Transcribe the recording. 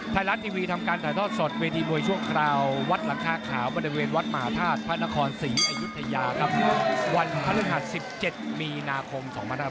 ไทยรัฐทีวีทำการถ่ายทอดสดเวทีมวยชั่วคราววัดหลังคาขาวบริเวณวัดมหาธาตุพระนครศรีอยุธยาครับวันพระฤหัส๑๗มีนาคม๒๕๖๒